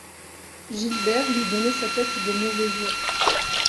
Gilbert lui donnait sa tête des mauvais jours